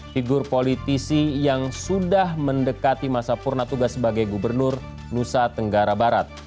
figur politisi yang sudah mendekati masa purna tugas sebagai gubernur nusa tenggara barat